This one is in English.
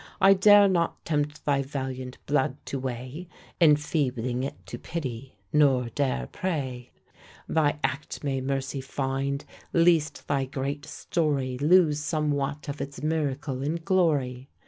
I dare not tempt thy valiant blood to whey, Enfeebling it to pity; nor dare pray Thy act may mercy finde, least thy great story Lose somewhat of its miracle and glory.